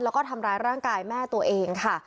แล้วก็ทำร้ายร่างกายแม่ตัวเองค่ะ